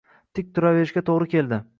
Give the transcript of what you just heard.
Tik turaverishga to‘g‘ri keldi.